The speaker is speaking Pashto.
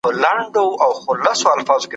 دا ټول د زعفرانو له برکته دي.